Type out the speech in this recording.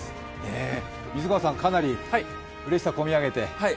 水川さん、かなりうれしさこみ上げて。